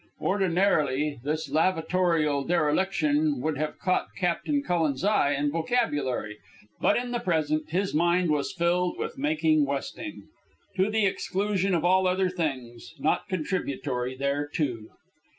Ordinarily this lavatorial dereliction would have caught Captain Cullen's eye and vocabulary, but in the present his mind was filled with making westing, to the exclusion of all other things not contributory thereto.